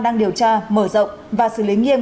đang điều tra mở rộng và xử lý nghiêm